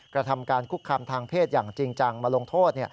กระทำการคุกคามทางเพศอย่างจริงจังมาลงโทษ